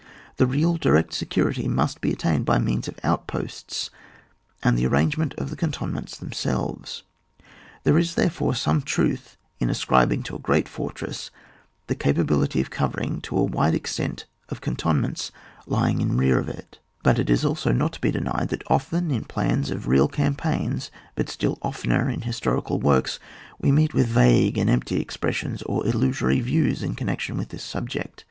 The real direct security must be attained by means of outposts and the arrangement of the cantonments themselves. There is, therefore, some truth in as cribing to a great fortress the capability of covering a wide extent of cantonments lying in rear of it ; but it is also not to 104 ON WAR. [book VI. be denied that often in plans of real cam paigns, but still oftener in historical works, we meet with vague and empty expressions, or illusory views in connec • tion with this subject.